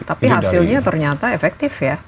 tapi hasilnya ternyata efektif ya